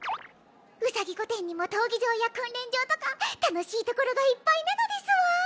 兎御殿にも闘技場や訓練場とか楽しい所がいっぱいなのですわ。